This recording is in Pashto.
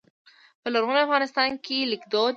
په لرغوني افغانستان کې لیک دود و